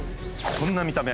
こんな見た目。